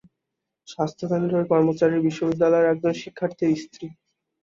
স্বাস্থ্যকেন্দ্রের ওই কর্মচারী বিশ্ববিদ্যালয়ের একজন শিক্ষার্থীর স্ত্রী।